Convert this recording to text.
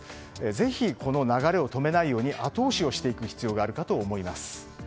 ぜひ、この流れを止めないように後押しをしていく必要があるかと思います。